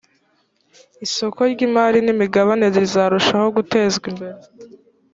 isoko ry imari n imigabane rizarushaho gutezwa imbere